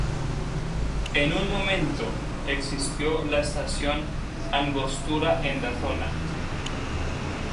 En un momento, existió la estación Angostura en la zona.